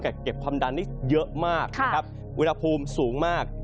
เก็บความดันได้เยอะมากนะครับอุณหภูมิสูงมาก